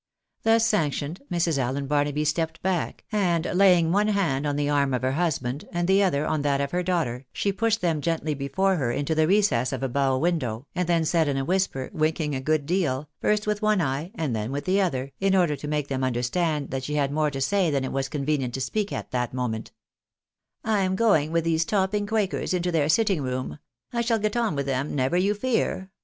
Thus sanctioned, Mrs. Allen Barnaby stepped back, and laying one hand on the arm of her husband, and the other on that of her daughter, she pushed them gently before her into the recess of a bow window, and then said in a whisper, winking a good deal, first with one eye, and then with the other, in order to make them understand that she had more to say than it was convenient to speak at that moment —" I am going with these topping quakers into their sitting room. I shall get on with them, never you fear.